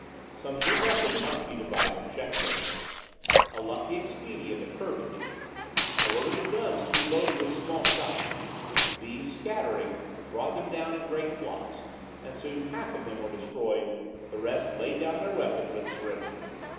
Some new method must be devised to check them; a lucky expedient occurred to me; I ordered the guns to be loaded with small shot: these scattering, brought them down in great flocks, and soon half of them were destroyed; the rest laid down their weapons and surrendered.